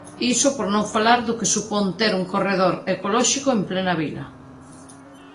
Iso por non falar do que supón ter un corredor ecolóxico en plena vila.